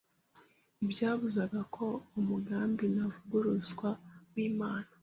ntibyabuzaga ko umugambi ntavuguruzwa w’Imana